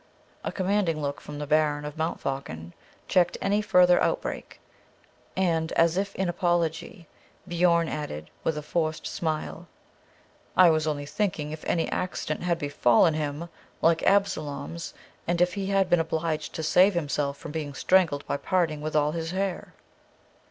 A commanding look from the Baron of Montfaucon checked any further outbreak; and as if in apology, Biorn added, with a forced smile, "I was only thinking if any accident had befallen him, like Absalom's, and if he had been obliged to save himself from being strangled by parting with all his hair."